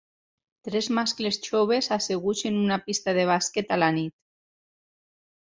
tres mascles joves asseguts en una pista de bàsquet a la nit